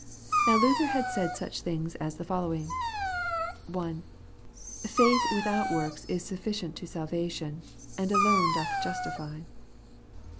Now Luther has said such things as the following :— 1. Faith without works is sufficient to salvation, and alone doth justify.